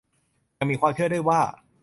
ยังมีความเชื่อด้วยว่า